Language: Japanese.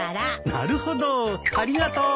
なるほどありがとう。